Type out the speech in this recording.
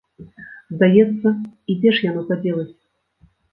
Здаецца, і дзе ж яно падзелася?